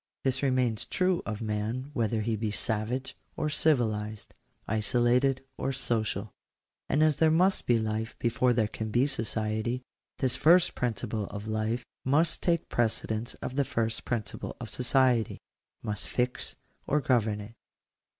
This remains true of maa whether he be savage or civilized — isolated or social. And as there must be life before there can be sooiety, this first principle of life must take prece dence of the first principle of society — must fix or govern it.